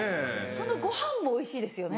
そのご飯もおいしいですよね。